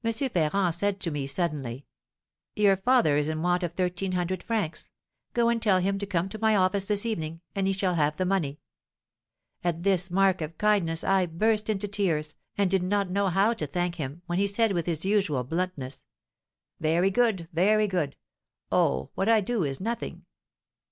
Ferrand said to me, suddenly, 'Your father is in want of thirteen hundred francs; go and tell him to come to my office this evening, and he shall have the money.' At this mark of kindness I burst into tears, and did not know how to thank him, when he said, with his usual bluntness, 'Very good, very good; oh, what I do is nothing!'